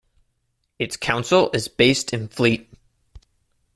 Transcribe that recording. Its council is based in Fleet.